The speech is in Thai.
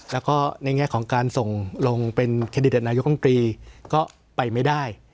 แล้วก็ในแง่ของการส่งลงเป็นเครดิตนายกรรมตรีก็ไปไม่ได้